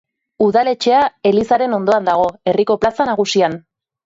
Udaletxea elizaren ondoan dago, herriko plaza nagusian.